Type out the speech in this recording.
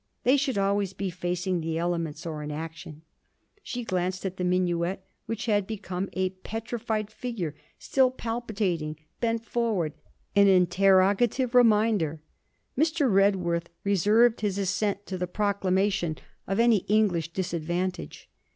They should always be facing the elements or in action.' She glanced at the minuet, which had become a petrified figure, still palpitating, bent forward, an interrogative reminder. Mr. Redworth reserved his assent to the proclamation of any English disadvantage.